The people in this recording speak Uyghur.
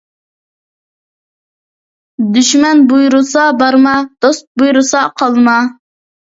دۈشمەن بۇيرۇسا بارما، دوست بۇيرۇسا قالما.